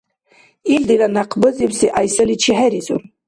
Ил дила някъбазибси гӀяйсаличи хӀеризур.